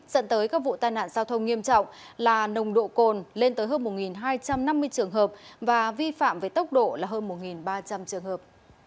dẫn tới các vụ tai nạn giao thông nghiêm trọng là nồng độ cồn lên tới hơn một hai trăm năm mươi trường hợp và vi phạm với tốc độ là hơn một ba trăm linh trường hợp